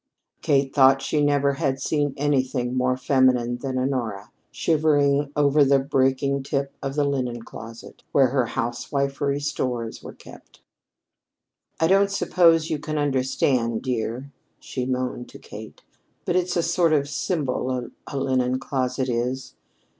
Kate thought she never had seen anything more feminine than Honora, shivering over the breaking tip of the linen closet, where her housewifely stores were kept. "I don't suppose you can understand, dear," she moaned to Kate. "But it's a sort of symbol a linen closet is.